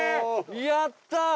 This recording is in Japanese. やった！